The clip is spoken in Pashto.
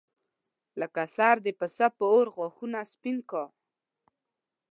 لکه سر د پسه په اور غاښونه سپین کا.